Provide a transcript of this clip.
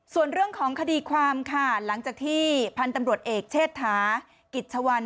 ส่วนเรื่องของคดีความค่ะหลังจากที่พันธุ์ตำรวจเอกเชษฐากิจชวัน